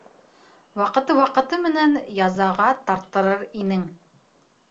Ваҡыты ваҡыты менән язаға тарттырыр инең.